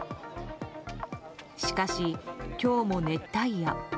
しかし、今日も熱帯夜。